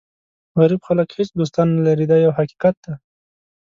غریب خلک هېڅ دوستان نه لري دا یو حقیقت دی.